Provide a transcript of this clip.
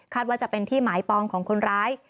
ว่าจะเป็นที่หมายปองของคนร้าย